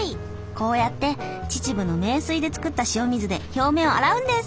こうやって秩父の名水で作った塩水で表面を洗うんです。